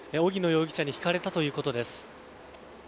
容疑者にひかれたということです。